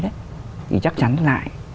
thì chắc chắn lại